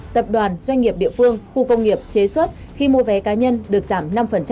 tập đoàn doanh nghiệp địa phương khu công nghiệp chế xuất khi mua vé cá nhân được giảm năm